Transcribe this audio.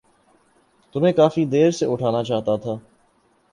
تمہیں کافی دیر سے اٹھانا چاہتا تھا۔